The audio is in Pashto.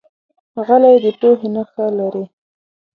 غلی، د پوهې نښه لري.